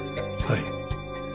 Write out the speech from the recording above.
はい。